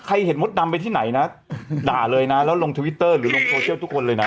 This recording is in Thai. เห็นมดดำไปที่ไหนนะด่าเลยนะแล้วลงทวิตเตอร์หรือลงโซเชียลทุกคนเลยนะ